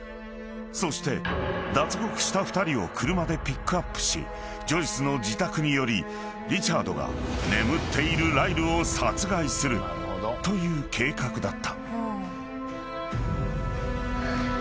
［そして脱獄した２人を車でピックアップしジョイスの自宅に寄りリチャードが眠っているライルを殺害するという計画だった］